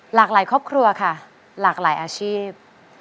หลากหลายครอบครัวค่ะหลากหลายอาชีพ